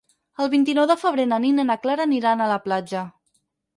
El vint-i-nou de febrer na Nina i na Clara aniran a la platja.